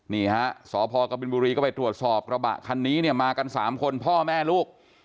นี่ฮะสพกบินบุรีก็ไปตรวจสอบกระบะคันนี้เนี่ยมากัน๓คนพ่อแม่ลูก